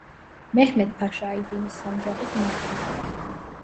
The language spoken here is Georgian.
მეჰმედ-ფაშა აიდინის სანჯაყის მმართველი გახდა.